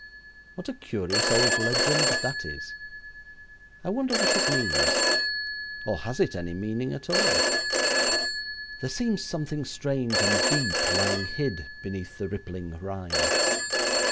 What a curious old legend that is! I wonder what it means, or has it any meaning at all? There seems something strange and deep lying hid beneath the rippling rhyme.